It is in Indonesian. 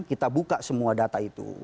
kita buka semua data itu